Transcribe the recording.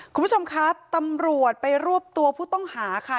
คุณผู้ชมคะตำรวจไปรวบตัวผู้ต้องหาค่ะ